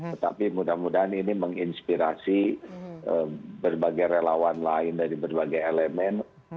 tetapi mudah mudahan ini menginspirasi berbagai relawan lain dari berbagai elemen